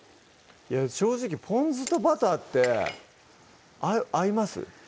はい正直ぽん酢とバターって合います？